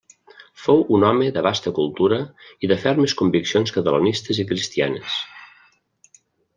Fou un home de vasta cultura i de fermes conviccions catalanistes i cristianes.